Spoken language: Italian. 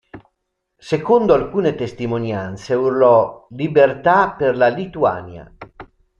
Secondo alcune testimonianze urlò: "Libertà per la Lituania!".